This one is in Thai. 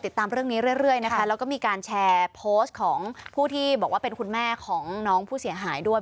ติดตามเรื่องนี้เรื่อยนะคะแล้วก็มีการแชร์โพสต์ของผู้ที่บอกว่าเป็นคุณแม่ของน้องผู้เสียหายด้วย